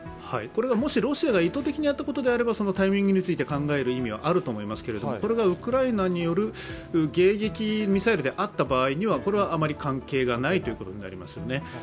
もしロシアが意図的にやったことであればそのタイミングについて考える意味はあると思いますがこれがウクライナによる迎撃ミサイルであった場合にはこれはあまり関係がないということになりますよね。